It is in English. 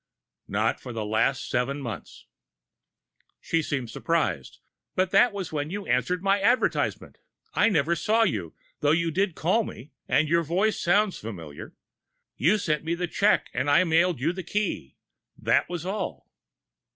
"Not for the last seven months!" She seemed surprised. "But that was when you answered my advertisement. I never saw you though you did call me, and your voice sounds familiar. You sent me the check, and I mailed you the key. That was all."